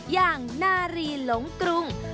อย่างนารีหลงกรุง